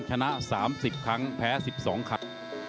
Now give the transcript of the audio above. ชนะ๓๐ครั้งแพ้๑๒ครั้ง